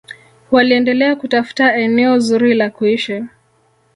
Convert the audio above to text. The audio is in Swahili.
waliendelea kutafuta eneo zuri la kuishi